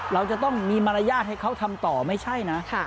เราจะต้องมีมารยาทให้เขาทำต่อไม่ใช่นะ